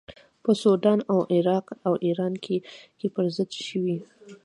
په سودان او عراق او ایران کې پر ضد شوې.